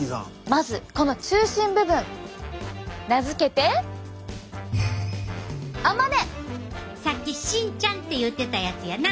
まずこの中心部分。名付けてさっき芯ちゃんっていってたやつやな。